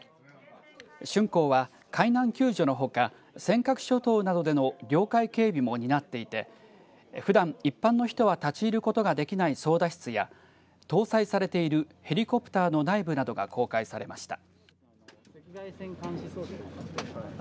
しゅんこうは海難救助のほか尖閣諸島などでの領海警備も担っていてふだん一般の人は立ち入ることができない操だ室や搭載されているヘリコプターの内部などが公開されました。